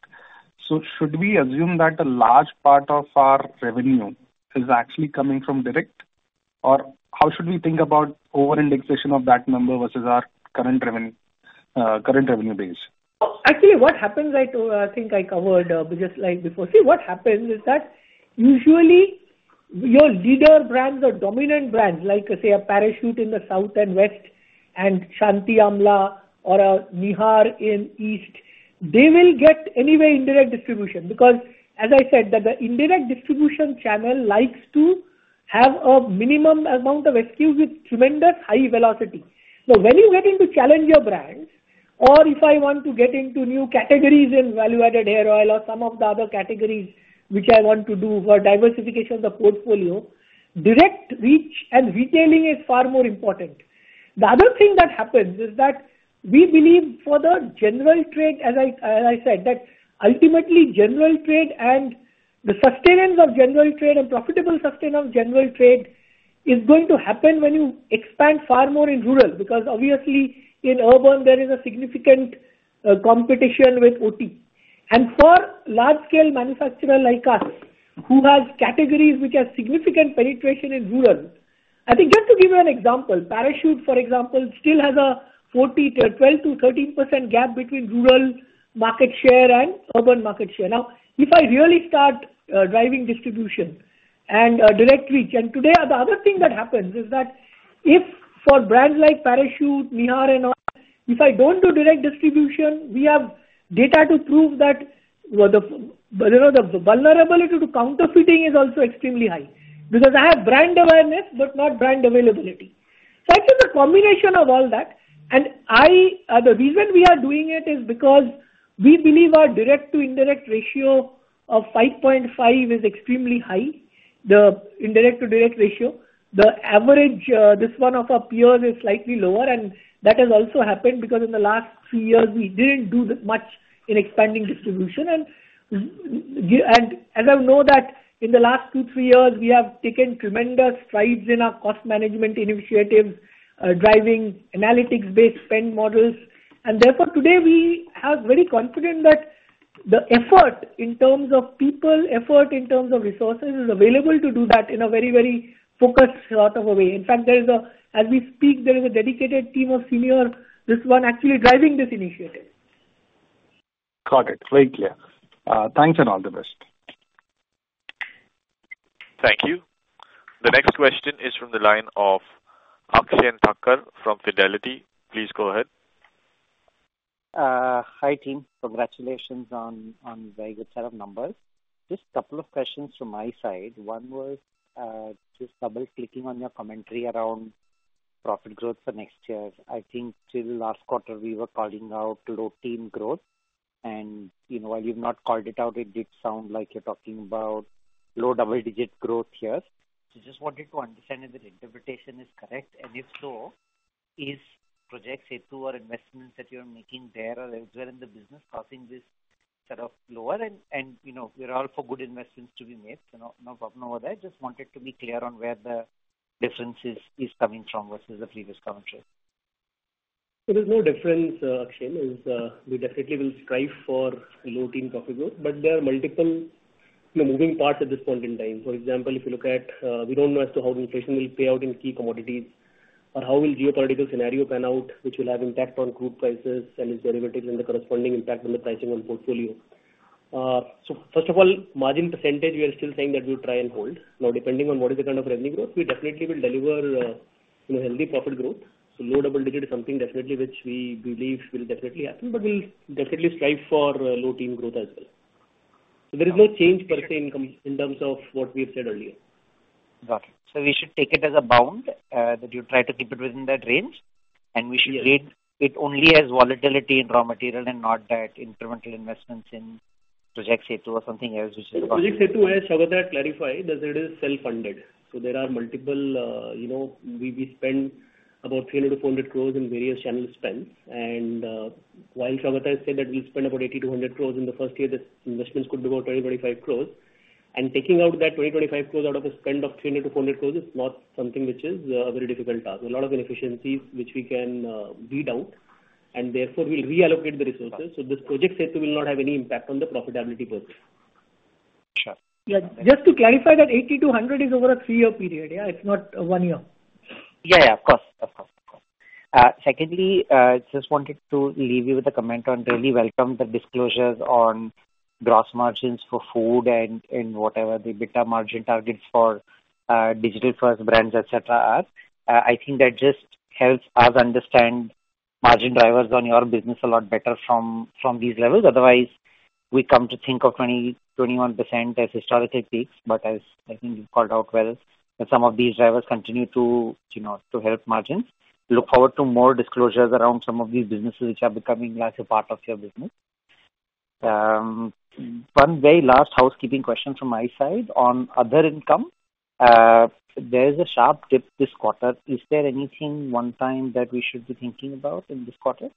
So should we assume that a large part of our revenue is actually coming from direct? Or how should we think about over-indexation of that number versus our current revenue, current revenue base? Actually, what happens, I too, I think I covered, just like before. See, what happens is that usually your leader brands or dominant brands, like, say, a Parachute in the South and West, and Shanti Amla or a Nihar in East, they will get anyway indirect distribution. Because, as I said, that the indirect distribution channel likes to have a minimum amount of SKUs with tremendous high velocity. Now, when you get into challenger brands, or if I want to get into new categories in value-added hair oil or some of the other categories which I want to do for diversification of the portfolio, direct reach and retailing is far more important. The other thing that happens is that we believe for the general trade, as I said, that ultimately general trade and the sustenance of general trade and profitable sustain of general trade is going to happen when you expand far more in rural. Because obviously in urban there is a significant competition with OT. And for large scale manufacturer like us, who has categories which have significant penetration in rural... I think just to give you an example, Parachute, for example, still has a 12% to 13% gap between rural market share and urban market share. Now, if I really start driving distribution and direct reach, and today the other thing that happens is that if for brands like Parachute, Nihar and all... If I don't do direct distribution, we have data to prove that, well, the, you know, the vulnerability to counterfeiting is also extremely high, because I have brand awareness, but not brand availability. So I think a combination of all that, and I, the reason we are doing it is because we believe our direct to indirect ratio of 5.5 is extremely high, the indirect to direct ratio. The average, this one of our peers is slightly lower, and that has also happened because in the last three years we didn't do much in expanding distribution. And as I know that in the last two, three years, we have taken tremendous strides in our cost management initiatives, driving analytics-based spend models. And therefore, today we are very confident that the effort in terms of people, effort in terms of resources, is available to do that in a very, very focused sort of a way. In fact, there is, as we speak, a dedicated team of senior, this one actually driving this initiative. Got it. Very clear. Thanks, and all the best. Thank you. The next question is from the line of Akshen Thakkar from Fidelity. Please go ahead. Hi, team. Congratulations on very good set of numbers. Just a couple of questions from my side. One was just double-clicking on your commentary around profit growth for next year. I think till last quarter we were calling out low-teens growth, and, you know, while you've not called it out, it did sound like you're talking about low double-digit growth here. So just wanted to understand if that interpretation is correct, and if so, is Project SETU or investments that you're making there or elsewhere in the business causing this sort of lower? And, you know, we're all for good investments to be made. So no problem over there. Just wanted to be clear on where the difference is coming from versus the previous commentary. So there's no difference, Akshen. Is, we definitely will strive for low-teen profit growth, but there are multiple, you know, moving parts at this point in time. For example, if you look at, we don't know as to how the inflation will play out in key commodities or how will geopolitical scenario pan out, which will have impact on crude prices and its derivatives and the corresponding impact on the pricing on portfolio. So first of all, margin percentage, we are still saying that we will try and hold. Now, depending on what is the kind of revenue growth, we definitely will deliver, you know, healthy profit growth. So low double digit is something definitely which we believe will definitely happen, but we'll definitely strive for, low-teen growth as well. So there is no change per se in terms of what we've said earlier. Got it. So we should take it as a bound that you try to keep it within that range? Yes. We should read it only as volatility in raw material and not that incremental investments in Project SETU or something else which is- Project SETU, as Saugata clarified, that it is self-funded. So there are multiple, you know, we, we spend about 300 crore-400 crore in various channel spends. And, while Saugata has said that we'll spend about 80 crore-100 crore in the first year, the investments could be about 20 crore-25 crore. And taking out that 20 crore-25 crore out of a spend of 300 crore-400 crore is not something which is, a very difficult task. There are a lot of inefficiencies which we can, weed out, and therefore we'll reallocate the resources. So this Project SETU will not have any impact on the profitability process. Sure. Yeah. Just to clarify, that 80 crore-100 crore is over a three-year period, yeah? It's not one year. Yeah, yeah. Of course. Of course, of course. Secondly, just wanted to leave you with a comment on really welcome the disclosures on gross margins for Food and, and whatever the EBITDA margin targets for digital-first brands, et cetera, are. I think that just helps us understand margin drivers on your business a lot better from these levels. Otherwise, we come to think of 20%-21% as historically peaks, but as I think you've called out well, that some of these drivers continue to, you know, to help margins. Look forward to more disclosures around some of these businesses which are becoming as a part of your business. One very last housekeeping question from my side. On other income, there is a sharp dip this quarter. Is there anything one-time that we should be thinking about in this quarter?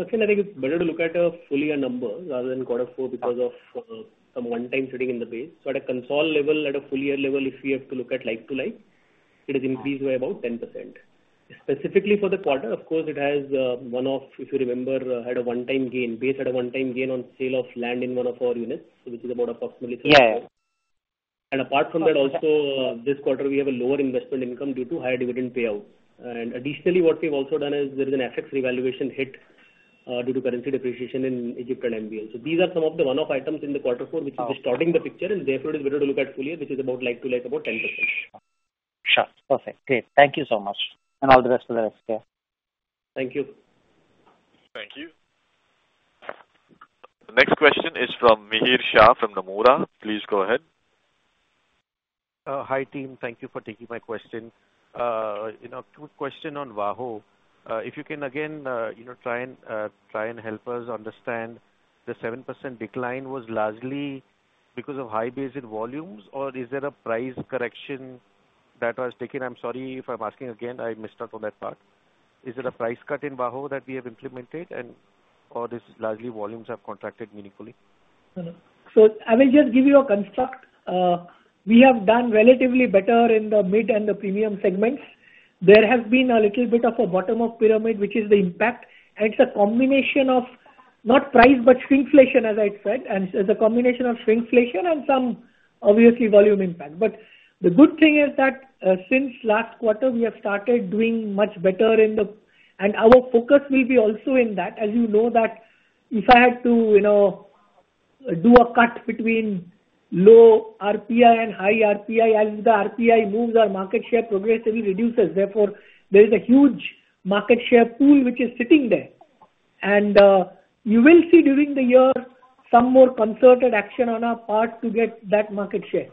Akshen, I think it's better to look at full year number rather than quarter four, because of some one-time sitting in the base. So at a consolidated level, at a full year level, if we have to look at like to like, it is increased by about 10%. Specifically for the quarter, of course, it has one-off, if you remember, had a one-time gain. Because of a one-time gain on sale of land in one of our units, so which is about approximately 3 crore. Yeah. Apart from that, also, this quarter, we have a lower investment income due to higher dividend payout. Additionally, what we've also done is there is an FX revaluation hit due to currency depreciation in Egypt and MENA. So these are some of the one-off items in the quarter four, which is distorting the picture, and therefore it is better to look at full year, which is about like to like, about 10%. Sure. Perfect. Great. Thank you so much, and all the best for the rest. Yeah. Thank you. Thank you. The next question is from Mihir Shah, from Nomura. Please go ahead. Hi, team. Thank you for taking my question. You know, two question on VAHO. If you can again, you know, try and, try and help us understand the 7% decline was largely because of high base volumes, or is there a price correction that was taken? I'm sorry if I'm asking again, I missed out on that part. Is it a price cut in VAHO that we have implemented, and or this is largely volumes have contracted meaningfully? So, I will just give you a construct. We have done relatively better in the mid and the premium segments. There has been a little bit of a bottom of pyramid, which is the impact, and it's a combination of not price, but shrinkflation, as I said, and it's a combination of shrinkflation and some obviously volume impact. But the good thing is that, since last quarter, we have started doing much better in the... And our focus will be also in that. As you know that if I had to, you know, do a cut between low RPI and high RPI. As the RPI moves, our market share progressively reduces, therefore, there is a huge market share pool which is sitting there. And you will see during the year some more concerted action on our part to get that market share.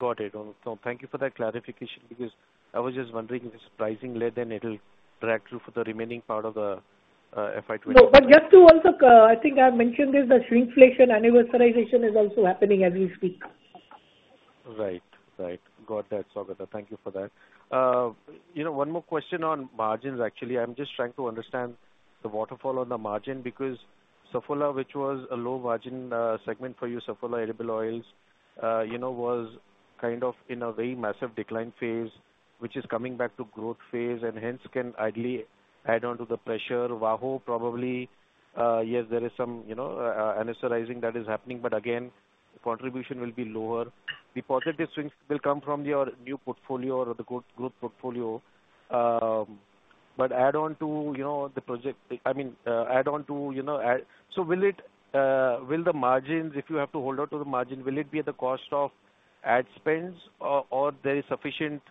Got it. Oh, so thank you for that clarification, because I was just wondering if it's pricing less, then it'll drag through for the remaining part of the FY 2025. No, but just to also, I think I've mentioned this, that shrinkflation anniversarization is also happening as we speak. Right. Right. Got that, Saugata. Thank you for that. You know, one more question on margins, actually. I'm just trying to understand the waterfall on the margin, because Saffola, which was a low-margin segment for you, Saffola edible oils, you know, was kind of in a very massive decline phase, which is coming back to growth phase, and hence can ideally add on to the pressure. VAHO probably, yes, there is some, you know, anniversarizing that is happening, but again, the contribution will be lower. The positive swings will come from your new portfolio or the growth, growth portfolio. But add on to, you know, the project... I mean, add on to, you know. So will it, will the margins, if you have to hold on to the margin, will it be at the cost of ad spends or, or there is sufficient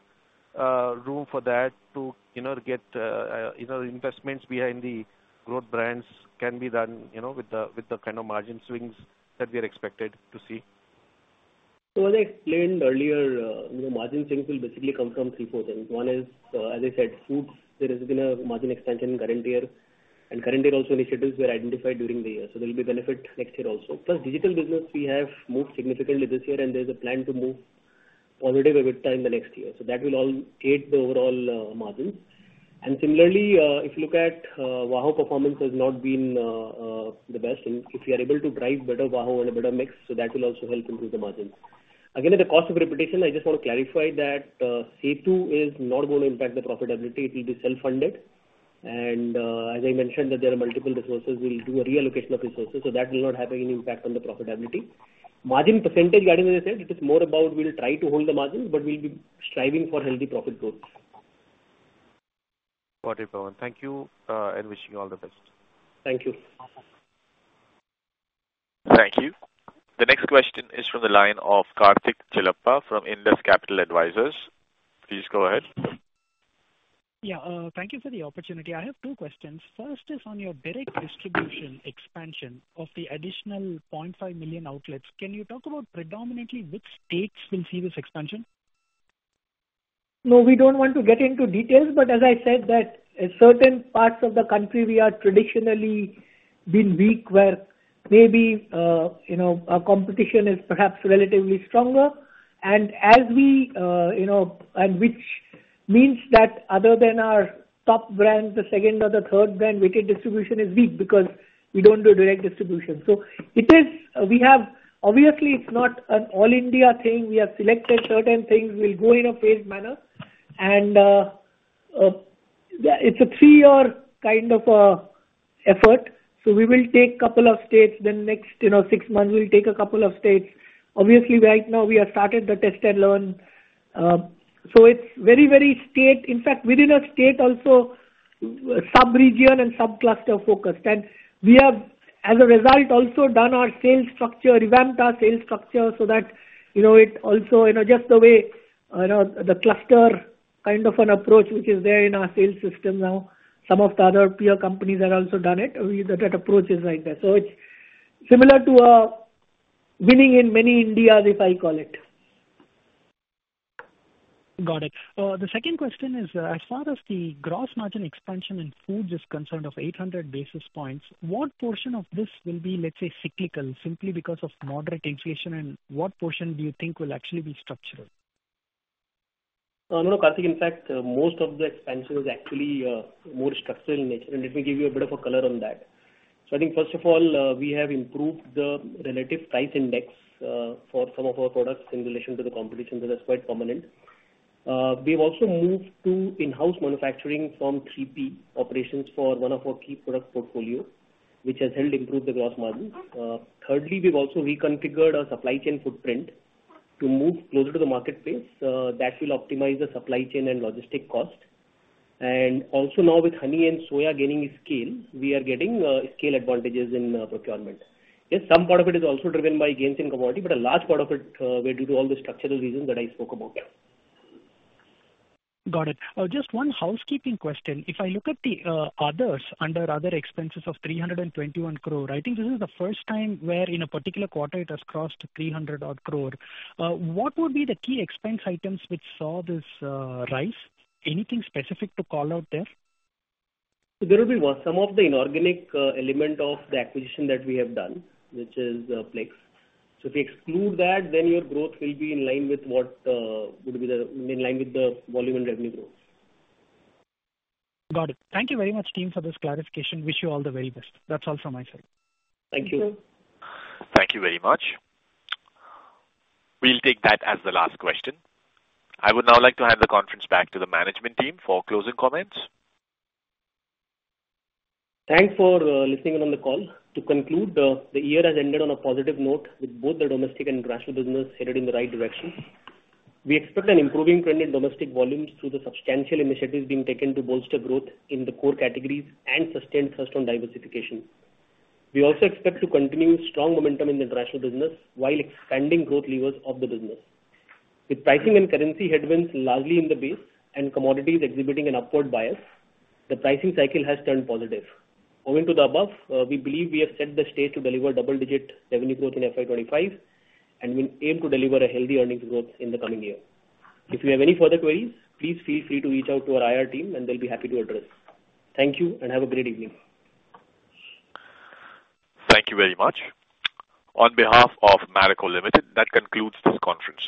room for that to, you know, get, you know, investments behind the growth brands can be done, you know, with the kind of margin swings that we are expected to see? So as I explained earlier, you know, margin swings will basically come from three, four things. One is, as I said, Foods, there has been a margin expansion current year, and current year also initiatives were identified during the year, so there will be benefit next year also. Plus, digital business, we have moved significantly this year, and there is a plan to move positive EBITDA in the next year. So that will all aid the overall, margins. And similarly, if you look at, VAHO performance has not been, the best, and if we are able to drive better VAHO and a better mix, so that will also help improve the margins. Again, at the cost of repetition, I just want to clarify that, SETU is not going to impact the profitability. It will be self-funded. As I mentioned that there are multiple resources, we'll do a reallocation of resources, so that will not have any impact on the profitability. Margin percentage guidance, as I said, it is more about we'll try to hold the margin, but we'll be striving for healthy profit growth. Got it, Pawan. Thank you, and wishing you all the best. Thank you. Thank you. The next question is from the line of Kartik Chellappa from Indus Capital Advisors. Please go ahead. Yeah, thank you for the opportunity. I have two questions. First is on your direct distribution expansion of the additional 500,000 outlets. Can you talk about predominantly which states will see this expansion? No, we don't want to get into details, but as I said that, certain parts of the country we are traditionally been weak, where maybe, you know, our competition is perhaps relatively stronger. And as we, you know, and which means that other than our top brand, the second or the third brand, weighted distribution is weak because we don't do direct distribution. So it is, we have obviously, it's not an all India thing. We have selected certain things, we'll go in a phased manner. And, yeah, it's a three-year kind of effort, so we will take couple of states, then next, you know, six months, we'll take a couple of states. Obviously, right now we have started the test and learn. So it's very, very state... In fact, within a state also, subregion and subcluster focused. And we have, as a result, also done our sales structure, revamped our sales structure, so that, you know, it also, you know, just the way, you know, the cluster kind of an approach, which is there in our sales system now. Some of the other peer companies have also done it. We, that approach is right there. So it's similar to Winning in Many Indias, if I call it. Got it. The second question is, as far as the gross margin expansion in Food is concerned, of 800 basis points, what portion of this will be, let's say, cyclical, simply because of moderate inflation, and what portion do you think will actually be structural? No, Kartik, in fact, most of the expansion is actually more structural in nature, and let me give you a bit of a color on that. So I think, first of all, we have improved the relative price index for some of our products in relation to the competition. So that's quite prominent. We've also moved to in-house manufacturing from 3P operations for one of our key product portfolio, which has helped improve the gross margin. Thirdly, we've also reconfigured our supply chain footprint to move closer to the marketplace, that will optimize the supply chain and logistic cost. And also now with honey and soya gaining scale, we are getting scale advantages in procurement. Yes, some part of it is also driven by gains in commodity, but a large part of it were due to all the structural reasons that I spoke about. Got it. Just one housekeeping question. If I look at the others, under other expenses of 321 crore, I think this is the first time where in a particular quarter it has crossed 300-odd crore. What would be the key expense items which saw this rise? Anything specific to call out there? There will be one. Some of the inorganic element of the acquisition that we have done, which is Plix. So if you exclude that, then your growth will be in line with what would be the in line with the volume and revenue growth. Got it. Thank you very much, team, for this clarification. Wish you all the very best. That's all from my side. Thank you. Thank you very much. We'll take that as the last question. I would now like to hand the conference back to the management team for closing comments. Thanks for listening in on the call. To conclude, the year has ended on a positive note, with both the domestic and international business headed in the right direction. We expect an improving trend in domestic volumes through the substantial initiatives being taken to bolster growth in the core categories and sustain thrust on diversification. We also expect to continue strong momentum in the international business while expanding growth levers of the business. With pricing and currency headwinds largely in the base and commodities exhibiting an upward bias, the pricing cycle has turned positive. Owing to the above, we believe we have set the stage to deliver double-digit revenue growth FY 2025, and we aim to deliver a healthy earnings growth in the coming year. If you have any further queries, please feel free to reach out to our IR team, and they'll be happy to address. Thank you, and have a great evening. Thank you very much. On behalf of Marico Limited, that concludes this conference.